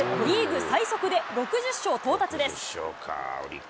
リーグ最速で６０勝到達です。